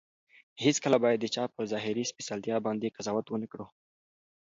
هیڅکله باید د چا په ظاهري سپېڅلتیا باندې قضاوت ونه کړو.